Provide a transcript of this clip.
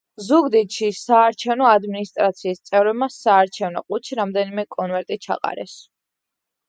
ზუგდიდში საარჩევნო ადმინისტრაციის წევრებმა საარჩევნო ყუთში რამდენიმე კონვერტი ჩაყარეს.